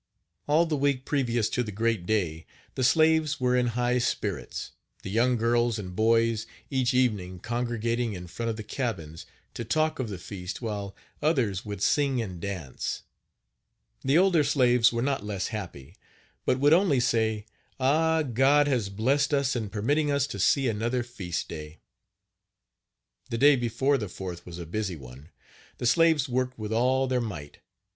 All the week previous to the great day, the slaves were in high spirits, the young girls and boys, each evening, congregating, in front of the cabins, to talk of the feast, while others would sing and dance. The older slaves were not less happy, but would only say: "Ah! God has blessed us in permitting us to see another feast day." The day before the 4th was a busy one. The slaves worked with all their might.